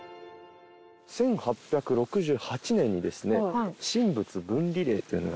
１８６８年にですね神仏分離令というのが出ます。